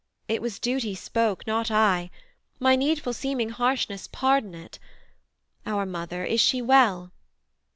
it was duty spoke, not I. My needful seeming harshness, pardon it. Our mother, is she well?'